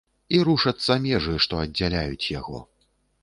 І рушацца межы, што аддзяляюць яго.